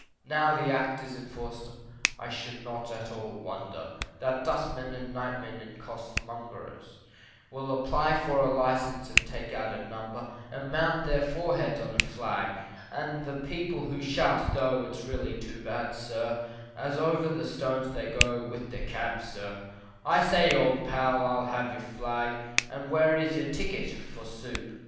Now the Act is in force, I should not at all wonder That dustmen and nightmen and costermongers Will apply for a license and take out a number And mount on their foreheads a flag; And the people they shout, tho' it's really too bad, sir, As over the stones they go with their cabs, sir, I say, old pal, I'll have your flag, And where is your ticket for soup.